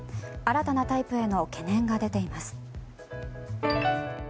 新たなタイプへの懸念が出ています。